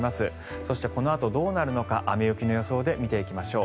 そして、このあとどうなるのか雨・雪の予想で見ていきましょう。